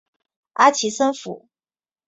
阿奇森府。